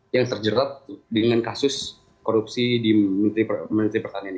yang terjerat dengan kasus korupsi di menteri pertanian